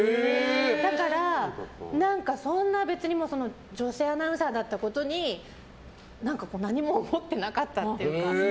だから、別に女子アナウンサーだったことに何も思ってなかったっていうか。